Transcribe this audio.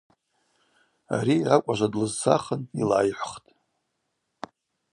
Ари акӏважва длызцахын йлайхӏвхтӏ.